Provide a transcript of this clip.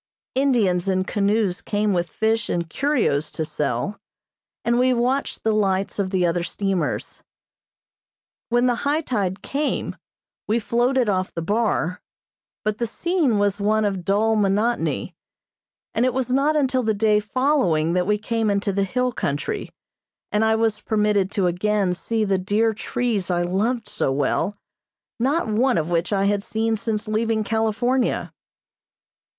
Indians in canoes came with fish and curios to sell, and we watched the lights of the other steamers. When the high tide came, we floated off the bar, but the scene was one of dull monotony, and it was not until the day following that we came into the hill country, and I was permitted to again see the dear trees I loved so well, not one of which I had seen since leaving California.